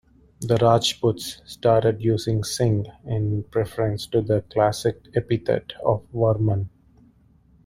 The Rajputs started using Singh in preference to the classical epithet of "Varman".